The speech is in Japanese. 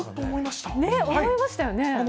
思いましたよね。